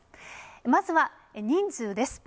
まずは人数です。